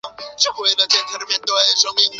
球队的宿敌是真格拿拜列治。